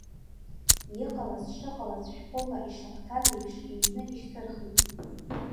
Иҟалаз, шыҟалаз, шәҟәыла ишахәҭаз еиԥш, иҩны ишьҭырхит.